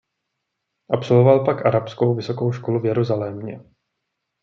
Absolvoval pak arabskou vysokou školu v Jeruzalémě.